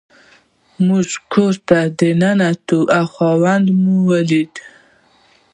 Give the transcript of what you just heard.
موږ کور ته ننوتو او خاوند مو ولید.